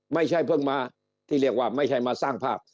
ไม่ใช่เพิ่งมาที่เรียกว่าไม่ใช่มาสร้างภาพ